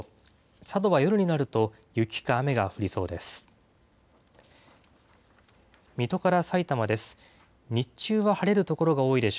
佐渡は夜になると、雪か雨が降りそうです。